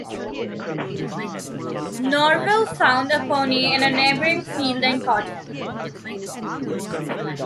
Norvell found a pony in a neighboring field and caught him.